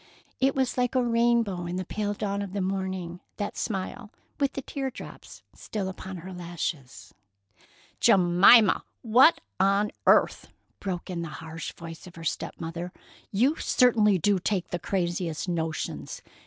It was like a rainbow in the pale dawn of the morning, that smile, with the tear drops still upon her lashes. "Jemima, what on earth!" broke in the harsh voice of her step mother. "You certainly do take the craziest notions!